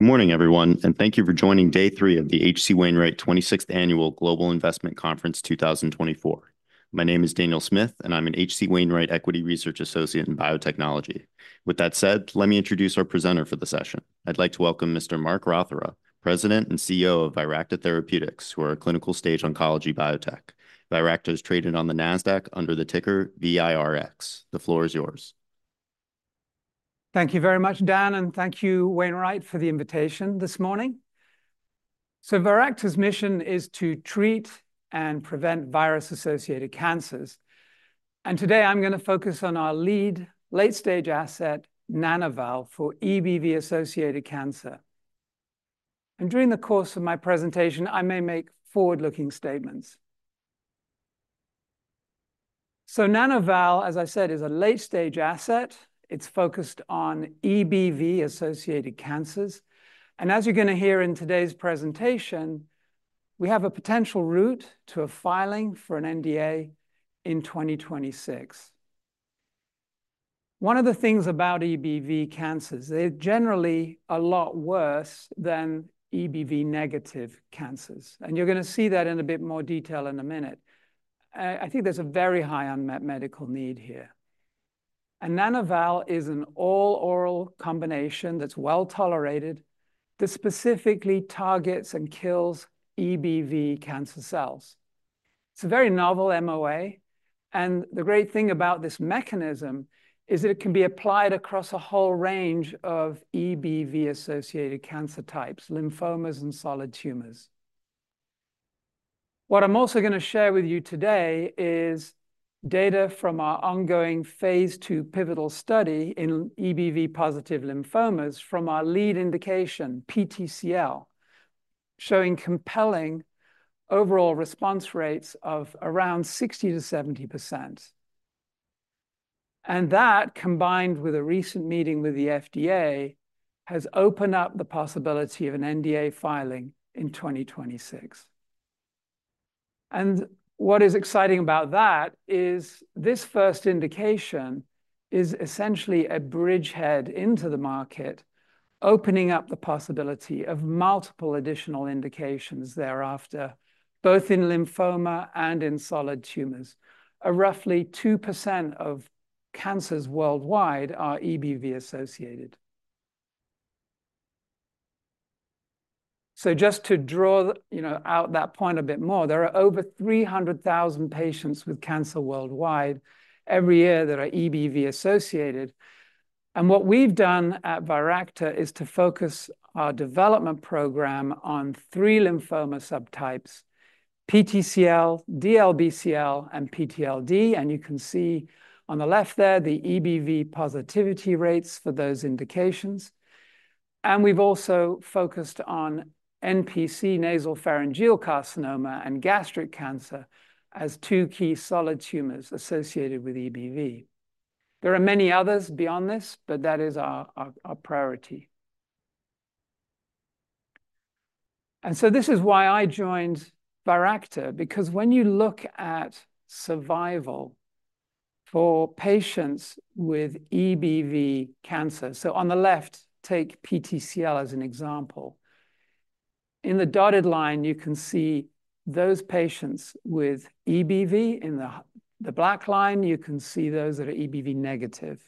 Good morning, everyone, and thank you for joining day three of the H.C. Wainwright twenty-sixth Annual Global Investment Conference 2024. My name is Daniel Smith, and I'm an H.C. Wainwright Equity Research Associate in Biotechnology. With that said, let me introduce our presenter for the session. I'd like to welcome Mr. Mark Rothera, President and CEO of Viracta Therapeutics, who are a clinical-stage oncology biotech. Viracta is traded on the Nasdaq under the ticker VIRX. The floor is yours. Thank you very much, Dan, and thank you, Wainwright, for the invitation this morning. Viracta's mission is to treat and prevent virus-associated cancers, and today I'm gonna focus on our lead late-stage asset, Nana-val, for EBV-associated cancer. During the course of my presentation, I may make forward-looking statements. Nana-val, as I said, is a late-stage asset. It's focused on EBV-associated cancers, and as you're going to hear in today's presentation, we have a potential route to a filing for an NDA in 2026. One of the things about EBV cancers, they're generally a lot worse than EBV-negative cancers, and you're gonna see that in a bit more detail in a minute. I think there's a very high unmet medical need here. Nana-val is an all-oral combination that's well-tolerated, that specifically targets and kills EBV cancer cells. It's a very novel MOA, and the great thing about this mechanism is that it can be applied across a whole range of EBV-associated cancer types, lymphomas, and solid tumors. What I'm also gonna share with you today is data from our ongoing phase II pivotal study in EBV-positive lymphomas from our lead indication, PTCL, showing compelling overall response rates of around 60% to 70%. That, combined with a recent meeting with the FDA, has opened up the possibility of an NDA filing in 2026. What is exciting about that is, this first indication is essentially a bridgehead into the market, opening up the possibility of multiple additional indications thereafter, both in lymphoma and in solid tumors. Roughly 2% of cancers worldwide are EBV-associated. Just to draw, you know, out that point a bit more, there are over three hundred thousand patients with cancer worldwide every year that are EBV-associated, and what we've done at Viracta is to focus our development program on three lymphoma subtypes: PTCL, DLBCL, and PTLD. You can see on the left there, the EBV positivity rates for those indications. We've also focused on NPC, nasopharyngeal carcinoma, and gastric cancer as two key solid tumors associated with EBV. There are many others beyond this, but that is our priority. This is why I joined Viracta, because when you look at survival for patients with EBV cancer. On the left, take PTCL as an example. In the dotted line, you can see those patients with EBV. In the black line, you can see those that are EBV negative.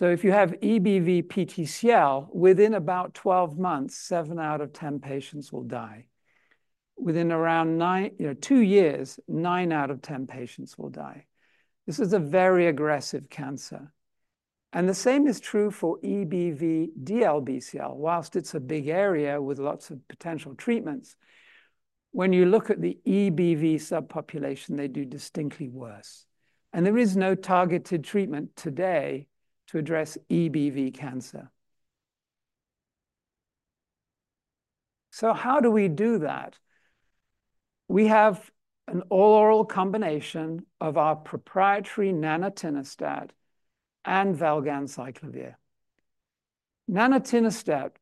If you have EBV PTCL, within about 12 month, seven out of 10 patients will die. Within around two years, nine out of 10 patients will die. This is a very aggressive cancer, and the same is true for EBV DLBCL. While it's a big area with lots of potential treatments, when you look at the EBV subpopulation, they do distinctly worse, and there is no targeted treatment today to address EBV cancer. So how do we do that? We have an all-oral combination of our proprietary nanatinostat and valganciclovir. Nanatinostat,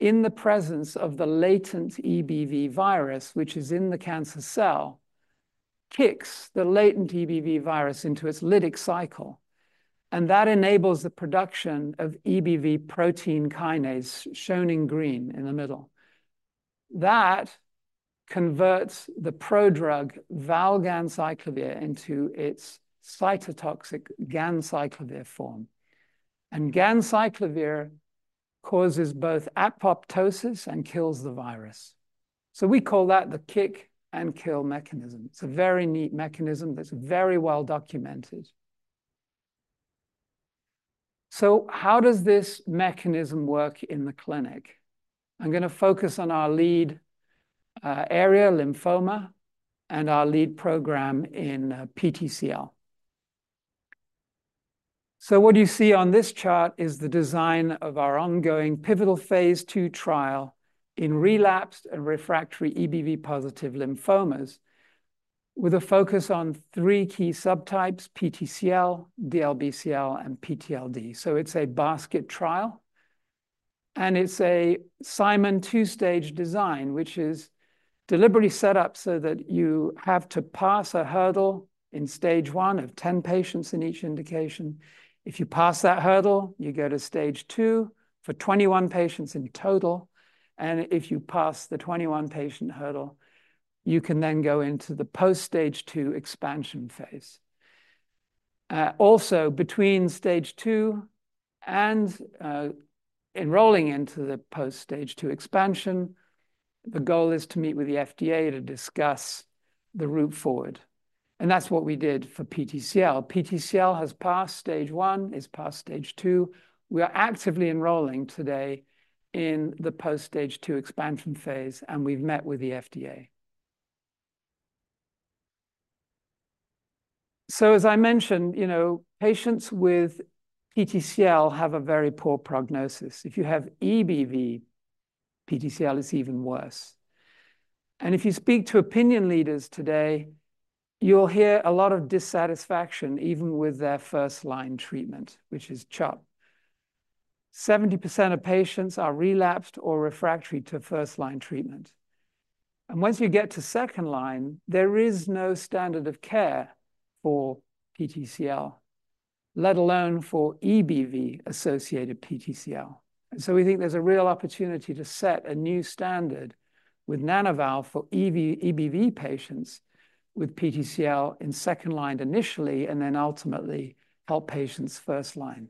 in the presence of the latent EBV virus, which is in the cancer cell, kicks the latent EBV virus into its lytic cycle, and that enables the production of EBV protein kinase, shown in green in the middle. That converts the prodrug valganciclovir into its cytotoxic ganciclovir form, and ganciclovir causes both apoptosis and kills the virus. So we call that the kick-and-kill mechanism. It's a very neat mechanism that's very well documented. So how does this mechanism work in the clinic? I'm going to focus on our lead R/R lymphoma and our lead program in PTCL. What you see on this chart is the design of our ongoing pivotal phase 2 trial in relapsed and refractory EBV-positive lymphomas, with a focus on three key subtypes: PTCL, DLBCL, and PTLD. It's a basket trial, and it's a Simon two-stage design, which is deliberately set up so that you have to pass a hurdle in stage one of 10 patients in each indication. If you pass that hurdle, you go to stage two for 21 patients in total, and if you pass the 21 patient hurdle, you can then go into the post stage two expansion phase. Also, between stage two and enrolling into the post stage two expansion, the goal is to meet with the FDA to discuss the route forward, and that's what we did for PTCL. PTCL has passed stage one, it's passed stage two. We are actively enrolling today in the post stage two expansion phase, and we've met with the FDA, so as I mentioned, you know, patients with PTCL have a very poor prognosis. If you have EBV, PTCL is even worse, and if you speak to opinion leaders today, you'll hear a lot of dissatisfaction, even with their first-line treatment, which is CHOP. 70% of patients are relapsed or refractory to first-line treatment, and once you get to second line, there is no standard of care for PTCL, let alone for EBV-associated PTCL. And so we think there's a real opportunity to set a new standard with Nana-val for EBV patients with PTCL in second line initially, and then ultimately help patients first line.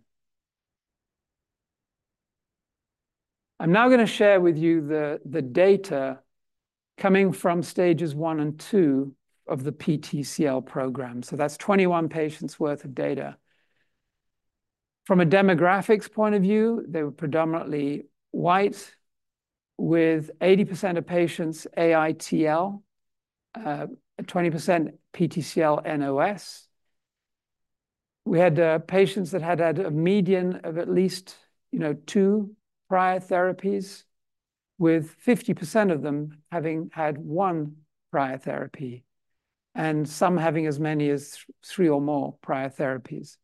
I'm now going to share with you the data coming from stages one and two of the PTCL program, so that's twenty-one patients' worth of data. From a demographics point of view, they were predominantly White, with 80% of patients AITL, twenty percent PTCL-NOS. We had patients that had had a median of at least, you know, two prior therapies, with 50% of them having had one prior therapy and some having as many as three or more prior therapies.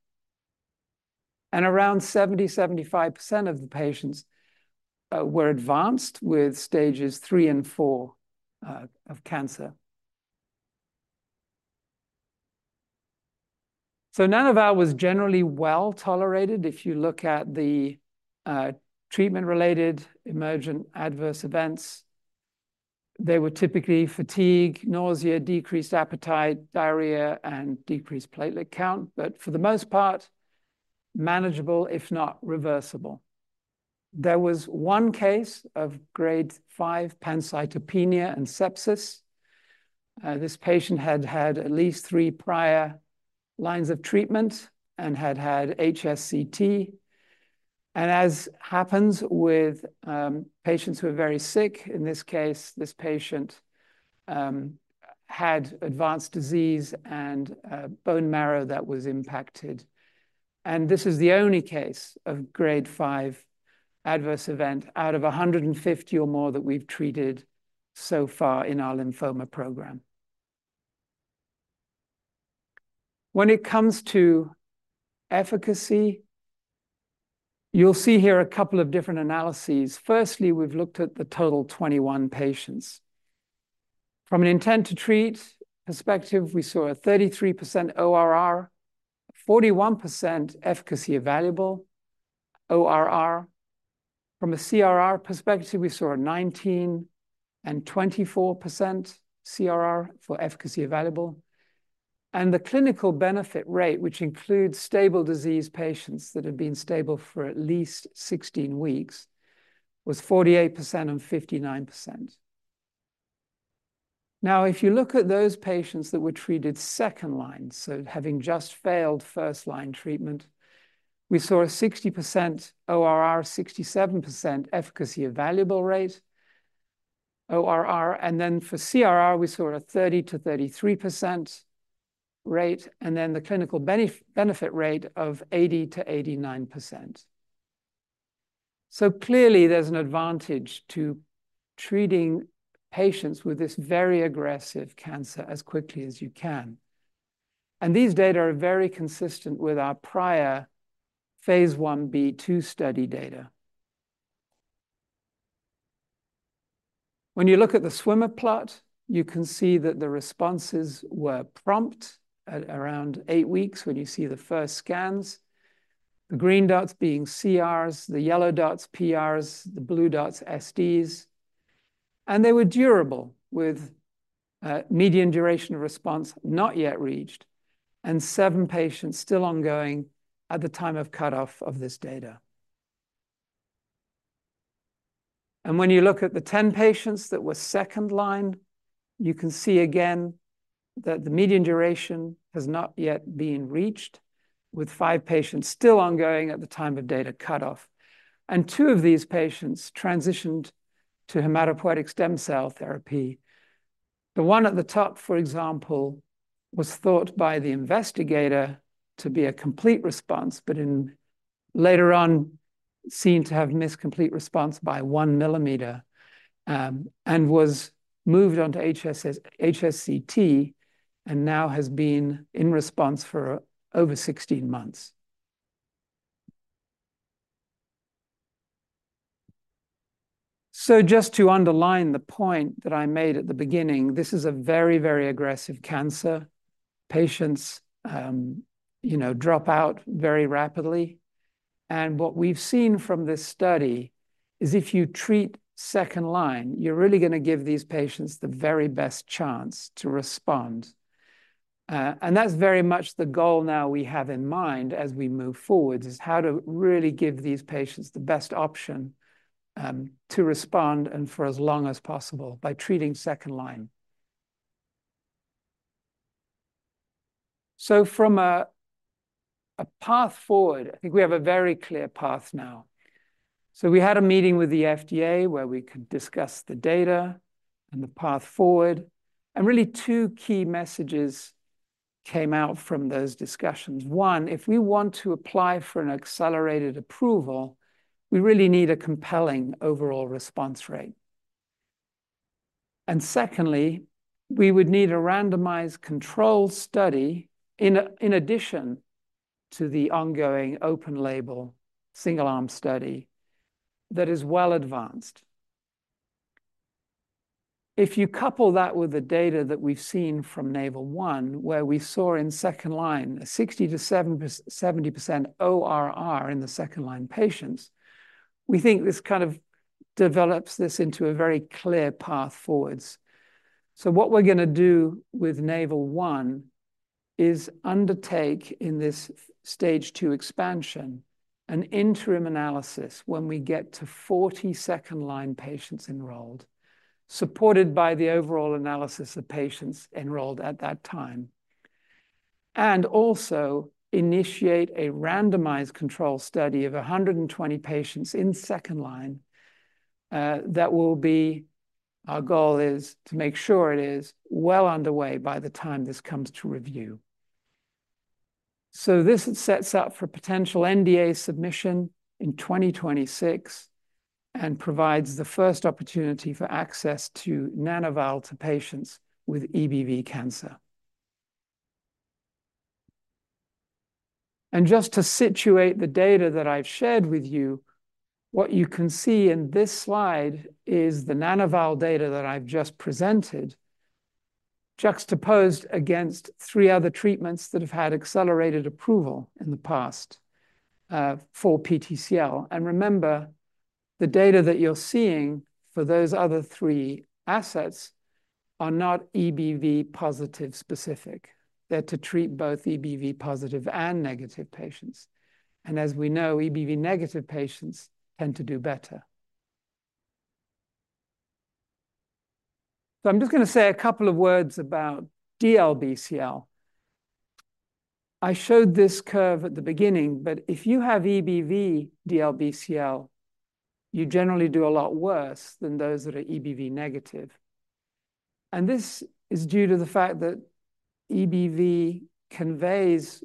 Around 70% to 75% of the patients were advanced with stages III and IV of cancer. Nana-val was generally well-tolerated. If you look at the treatment-related emergent adverse events, they were typically fatigue, nausea, decreased appetite, diarrhea, and decreased platelet count, but for the most part, manageable if not reversible. There was one case of grade five pancytopenia and sepsis. This patient had had at least three prior lines of treatment and had had HSCT, and as happens with patients who are very sick, in this case, this patient had advanced disease and bone marrow that was impacted. This is the only case of grade five adverse event out of 150 or more that we've treated so far in our lymphoma program. When it comes to efficacy, you'll see here a couple of different analyses. Firstly, we've looked at the total 21 patients. From an intent-to-treat perspective, we saw a 33% ORR, 41% efficacy-evaluable ORR. From a CRR perspective, we saw a 19% and 24% CRR for efficacy-evaluable, and the clinical benefit rate, which includes stable disease patients that have been stable for at least 16 weeks, was 48% and 59%. Now, if you look at those patients that were treated second-line, so having just failed first-line treatment, we saw a 60% ORR, 67% efficacy-evaluable rate ORR, and then for CRR, we saw a 30% to 33% rate, and then the clinical benefit rate of 80% to 89%. So clearly, there's an advantage to treating patients with this very aggressive cancer as quickly as you can, and these data are very consistent with our prior phase Ib/II study data. When you look at the swimmer plot, you can see that the responses were prompt at around eight weeks when you see the first scans, the green dots being CRs, the yellow dots PRs, the blue dots SDs, and they were durable, with median duration of response not yet reached, and seven patients still ongoing at the time of cutoff of this data, and when you look at the 10 patients that were second line, you can see again that the median duration has not yet been reached, with five patients still ongoing at the time of data cutoff, and two of these patients transitioned to hematopoietic stem cell therapy. The one at the top, for example, was thought by the investigator to be a complete response, but later on, seemed to have missed complete response by one millimeter, and was moved on to HSCT, and now has been in response for over 16 months. So just to underline the point that I made at the beginning, this is a very, very aggressive cancer. Patients, you know, drop out very rapidly, and what we've seen from this study is if you treat second line, you're really gonna give these patients the very best chance to respond. And that's very much the goal now we have in mind as we move forward, is how to really give these patients the best option to respond and for as long as possible by treating second line. From a path forward, I think we have a very clear path now. We had a meeting with the FDA, where we could discuss the data and the path forward, and really, two key messages came out from those discussions. One, if we want to apply for an accelerated approval, we really need a compelling overall response rate. Secondly, we would need a randomized control study in addition to the ongoing open label, single-arm study that is well advanced. If you couple that with the data that we've seen from NAVAL-1, where we saw in second line a 60% to 70% ORR in the second line patients, we think this kind of develops this into a very clear path forward. So what we're gonna do with NAVAL-1 is undertake, in this stage two expansion, an interim analysis when we get to 40 second-line patients enrolled, supported by the overall analysis of patients enrolled at that time. And also initiate a randomized control study of 120 patients in second line, that will be... Our goal is to make sure it is well underway by the time this comes to review. So this sets out for potential NDA submission in 2026 and provides the first opportunity for access to Nana-val to patients with EBV cancer. And just to situate the data that I've shared with you, what you can see in this slide is the Nana-val data that I've just presented, juxtaposed against three other treatments that have had accelerated approval in the past, for PTCL. Remember, the data that you're seeing for those other three assets are not EBV positive specific. They're to treat both EBV positive and negative patients, and as we know, EBV negative patients tend to do better. I'm just gonna say a couple of words about DLBCL. I showed this curve at the beginning, but if you have EBV DLBCL, you generally do a lot worse than those that are EBV negative. This is due to the fact that EBV conveys,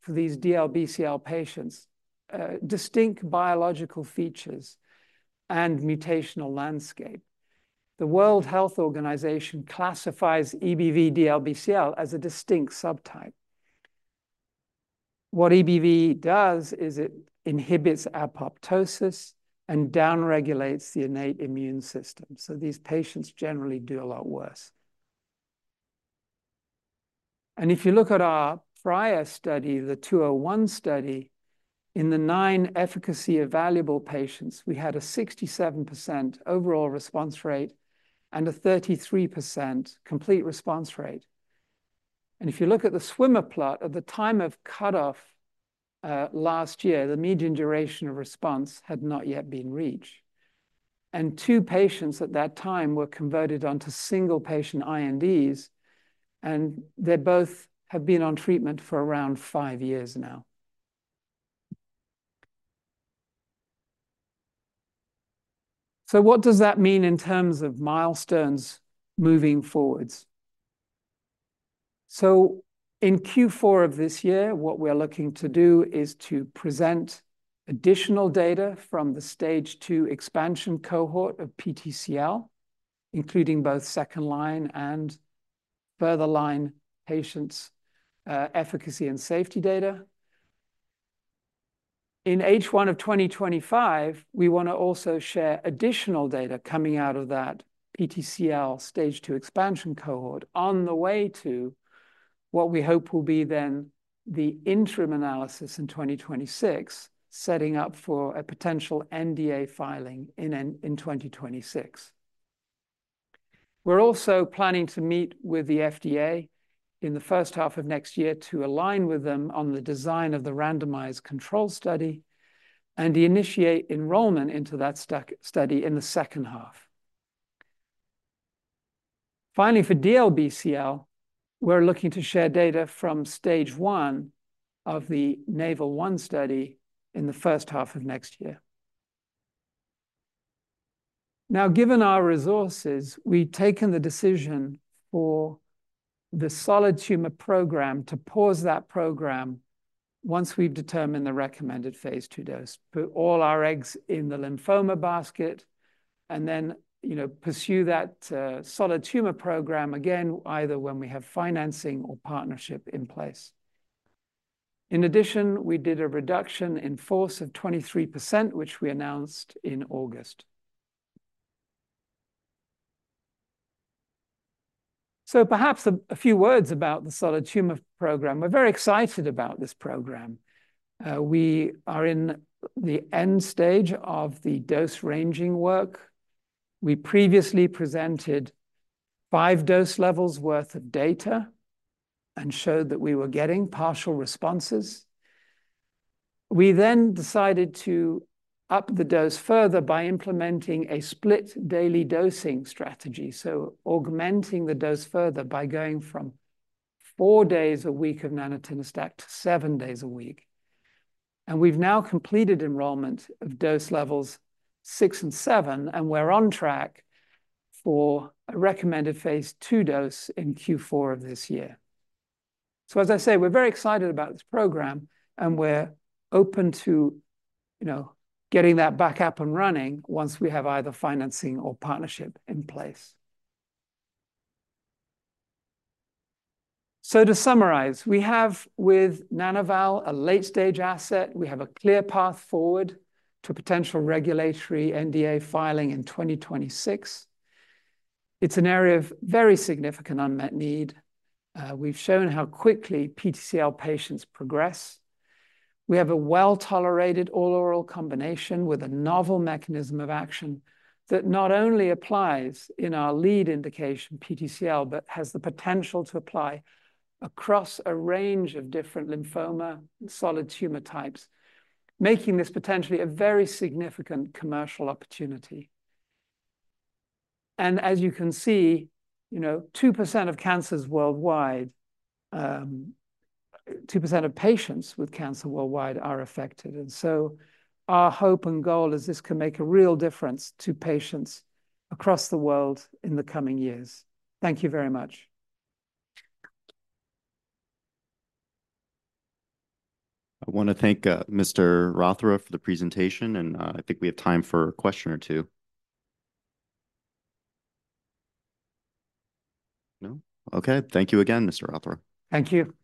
for these DLBCL patients, distinct biological features and mutational landscape. The World Health Organization classifies EBV DLBCL as a distinct subtype. What EBV does is it inhibits apoptosis and downregulates the innate immune system, so these patients generally do a lot worse. And if you look at our prior study, the 201 study, in the nine efficacy-evaluable patients, we had a 67% overall response rate and a 33% complete response rate. And if you look at the swimmer plot, at the time of cutoff last year, the median duration of response had not yet been reached. And two patients at that time were converted onto single-patient INDs, and they both have been on treatment for around five years now. So what does that mean in terms of milestones moving forward? In Q4 of this year, what we're looking to do is to present additional data from the stage two expansion cohort of PTCL, including both second line and further line patients' efficacy and safety data. In H1 of 2025, we wanna also share additional data coming out of that PTCL stage two expansion cohort on the way to what we hope will be then the interim analysis in 2026, setting up for a potential NDA filing in 2026. We're also planning to meet with the FDA in the H1 of next year to align with them on the design of the randomized control study and initiate enrollment into that study in the H2. Finally, for DLBCL, we're looking to share data from stage one of the NAVAL-1 study in the H1 of next year. Now, given our resources, we've taken the decision for the solid tumor program to pause that program once we've determined the recommended phase 2 dose. Put all our eggs in the lymphoma basket, and then, you know, pursue that solid tumor program again, either when we have financing or partnership in place. In addition, we did a reduction in force of 23%, which we announced in August, so perhaps a few words about the solid tumor program. We're very excited about this program. We are in the end stage of the dose-ranging work. We previously presented five dose levels worth of data and showed that we were getting partial responses. We then decided to up the dose further by implementing a split daily dosing strategy, so augmenting the dose further by going from four days a week of nanatinostat to seven days a week, and we've now completed enrollment of dose levels six and seven, and we're on track for a recommended phase 2 dose in Q4 of this year. So as I say, we're very excited about this program, and we're open to, you know, getting that back up and running once we have either financing or partnership in place. So to summarize, we have, with Nana-val, a late-stage asset. We have a clear path forward to potential regulatory NDA filing in 2026. It's an area of very significant unmet need. We've shown how quickly PTCL patients progress. We have a well-tolerated all-oral combination with a novel mechanism of action that not only applies in our lead indication, PTCL, but has the potential to apply across a range of different lymphoma and solid tumor types, making this potentially a very significant commercial opportunity. And as you can see, you know, 2% of cancers worldwide, 2% of patients with cancer worldwide are affected, and so our hope and goal is this can make a real difference to patients across the world in the coming years. Thank you very much. I wanna thank Mr. Rothera for the presentation, and I think we have time for a question or two. No? Okay. Thank you again, Mr. Rothera. Thank you.